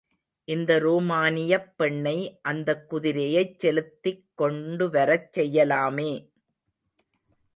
இந்த ரோமானியப் பெண்ணை அந்தக் குதிரையைச் செலுத்திக் கொண்டுவரச் செய்யலாமே!